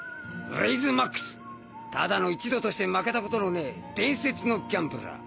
レイズ・マックスただの一度として負けたことのねえ伝説のギャンブラー。